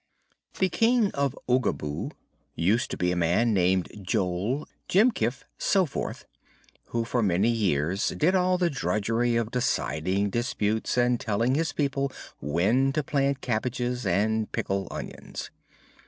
The King of Oogaboo used to be a man named Jol Jemkiph Soforth, who for many years did all the drudgery of deciding disputes and telling his people when to plant cabbages and pickle onions.